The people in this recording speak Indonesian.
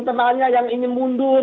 yang ingin tanya yang ingin mundur